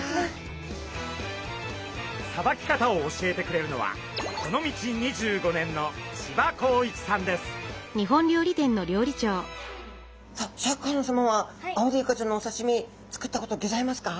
さばき方を教えてくれるのはこの道２５年のさあシャーク香音さまはアオリイカちゃんのおさしみ作ったことギョざいますか？